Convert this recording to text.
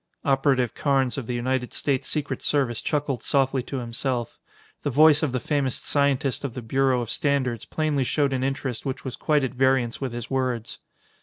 Operative Carnes of the United States Secret Service chuckled softly to himself. The voice of the famous scientist of the Bureau of Standards plainly showed an interest which was quite at variance with his words.